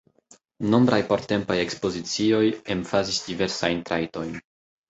Nombraj portempaj ekspozicioij emfazis diversajn trajtojn.